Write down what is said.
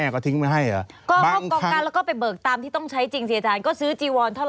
ก็ซื้อจีวอนก์เท่าไหร่